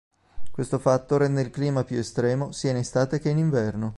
Questo fatto rende il clima più estremo sia in estate che in inverno.